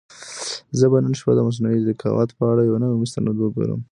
زه به نن شپه د مصنوعي ذکاوت په اړه یو نوی مستند وګورم.